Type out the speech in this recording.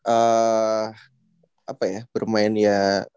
apa ya bermain ya